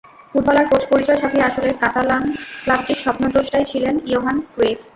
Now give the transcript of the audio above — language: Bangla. ফুটবলার, কোচ পরিচয় ছাপিয়ে আসলে কাতালান ক্লাবটির স্বপ্নদ্রষ্টাই ছিলেন ইয়োহান ক্রুইফ।